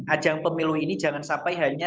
ajang pemilu ini jangan sampai hanya